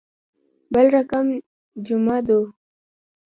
بل رقم جمعه دو.